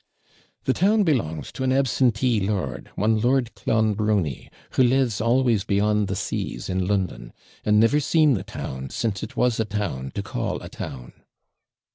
'The town belongs to an absentee lord one Lord Clonbrony, who lives always beyond the seas, in London; and never seen the town since it was a town, to call a town.'